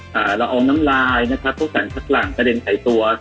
เราองน้ำลายทดสันชั้นหลังกระเด็นขายตัว